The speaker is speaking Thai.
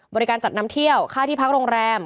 บริการจัดนำเที่ยวค่าที่พักโรงแรม